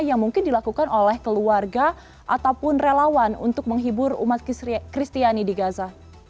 yang mungkin dilakukan oleh keluarga ataupun relawan untuk menghibur umat kristiani di gaza